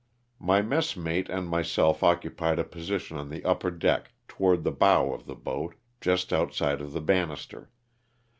My messmate and my self occupied a position on the upper deck toward the bow of the boat, just outside of the banister.